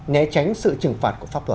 né tránh sự trừng phạt của pháp luật